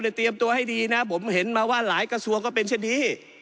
เตรียมตัวให้ดีนะผมเห็นมาว่าหลายกระทรวงก็เป็นเช่นนี้